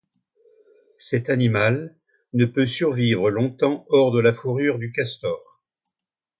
Cet animal ne peut survivre longtemps hors de la fourrure du castor.